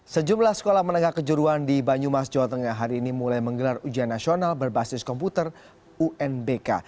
sejumlah sekolah menengah kejuruan di banyumas jawa tengah hari ini mulai menggelar ujian nasional berbasis komputer unbk